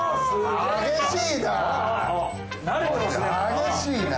激しいな。